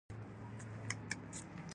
طبیعي منظرې رامنځته کولو کې ارزښت لري.